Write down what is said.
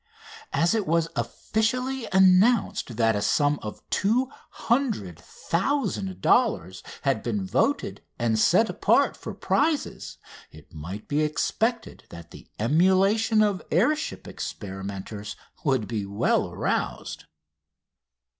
As it was officially announced that a sum of 200,000 dollars had been voted and set apart for prizes it might be expected that the emulation of air ship experimenters would be well aroused.